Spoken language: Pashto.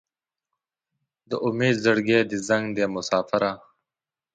د امید زړګی دې زنګ دی مساپره